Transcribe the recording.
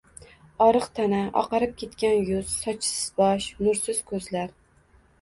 Oriq tana, oqarib ketgan yuz, sochsiz bosh, nursiz ko`zlar